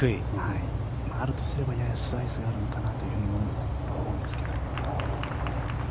あるとすればややスライスがあるのかなと思うんですけど。